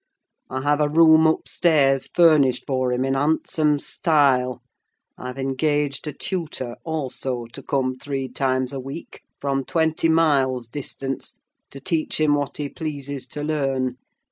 I have a room upstairs, furnished for him in handsome style; I've engaged a tutor, also, to come three times a week, from twenty miles' distance, to teach him what he pleases to learn.